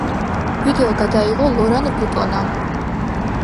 ვიდეო გადაიღო ლორან ბუტონამ.